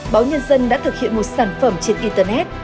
báo nhân dân đã thực hiện một sản phẩm trên internet